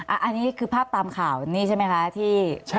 อันนี้คือภาพตามข่าวนี่ใช่ไหมคะที่